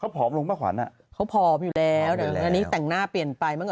เขาผอมลงมาขวัญอ่ะเขาพออยู่แล้วอันนี้แต่งหน้าเปลี่ยนไปมัน